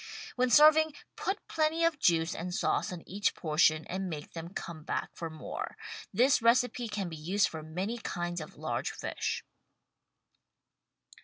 When serving put plenty of juice and sauce on each portion and make them come back for more. This recipe can be used for many kinds of large fish.